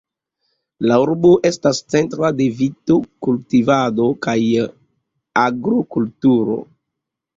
La urbo estas centro de vito-kultivado kaj agrokulturo.